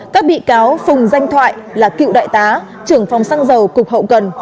các bị cáo phùng danh thoại là cựu đại tá trưởng phòng xăng dầu cục hậu cần